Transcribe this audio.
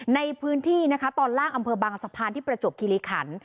ในพื้นที่นะคะตอนล่างอำเภอบางสะพานที่ประจวบคิริขัน